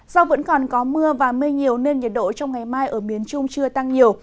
do vẫn còn có mưa và mây nhiều nên nhiệt độ trong ngày mai ở miền trung chưa tăng nhiều